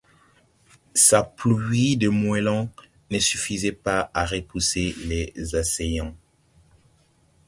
Sa pluie de moellons ne suffisait pas à repousser les assaillants.